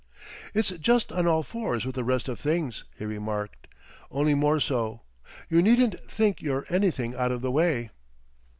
"It's just on all fours with the rest of things," he remarked; "only more so. You needn't think you're anything out of the way."